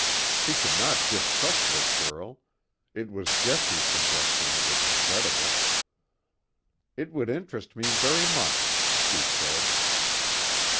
She could not distrust this girl; it was Jessie's suggestion that was incredible. "It would interest me very much," she said.